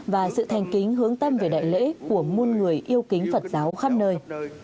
và sự thanh kính hướng tâm về đại lễ của môn người yêu kính phật giáo khắp nơi